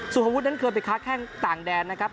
สุภวุฒินั้นเคยไปค้าแข้งต่างแดนนะครับ